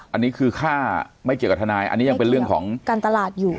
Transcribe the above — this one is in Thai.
อันนี้คือค่าไม่เกี่ยวกับทนายอันนี้ยังเป็นเรื่องของการตลาดอยู่